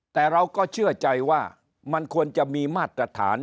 แต่เราก็เชื่อใจว่ามันควรจะมีมาตรฐาน